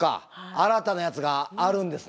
新たなやつがあるんですね。